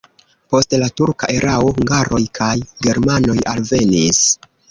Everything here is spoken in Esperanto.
Post la turka erao hungaroj kaj germanoj alvenis.